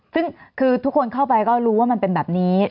ซึ่งคือทุกคนเข้าไปก็รู้ว่ามันเป็นแบบนี้